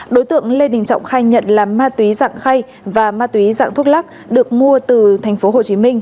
đối tượng lê đình trọng khai nhận là ma túy dạng khay và ma túy dạng thuốc lắc được mua từ tp hcm